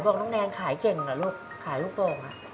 น้องแนนขายเก่งเหรอลูกขายลูกโป่ง